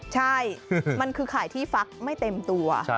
ใช่มันคือขายที่ฟักไม่เต็มตัว